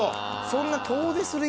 そんな。